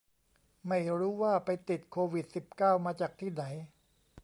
ไม่รู้ว่าไปติดโควิดสิบเก้ามาจากที่ไหน